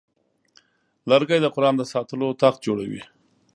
لرګی د قرآن د ساتلو تخت جوړوي.